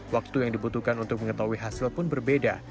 waktu yang dibutuhkan untuk mengetahui hasil pun berbeda